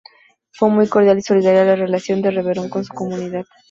Fue muy cordial y solidaria la relación de Reverón con su comunidad.